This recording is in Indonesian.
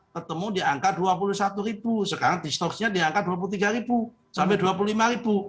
ketemu di angka rp dua puluh satu sekarang di stoksnya di angka dua puluh tiga sampai rp dua puluh lima